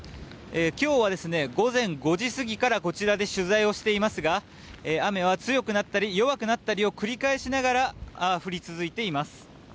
今日は午前５時過ぎからこちらで取材をしていますが雨は強くなったり弱くなったりを繰り返しながら降り続いています。